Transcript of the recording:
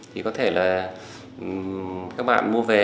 thì có thể là các bạn mua về